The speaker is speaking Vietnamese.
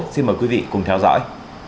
xin mời quý vị cùng theo dõi